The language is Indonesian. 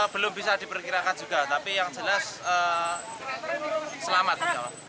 belum bisa diperkirakan juga tapi yang jelas selamat